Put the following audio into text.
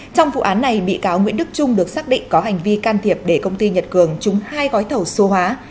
trong vụ án này bị cáo nguyễn đức trung được xác định có hành vi can thiệp để công ty nhật cường trúng hai gói thầu số hóa